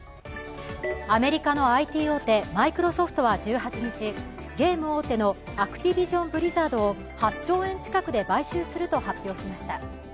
アメリカのＩＴ大手、マイクロソフトは１８日、ゲーム大手のアクティビジョン・ブリザードを８兆円近くで買収すると発表しました。